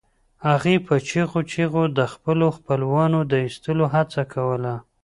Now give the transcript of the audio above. هغې په چیغو چیغو د خپلو خپلوانو د ایستلو هڅه کوله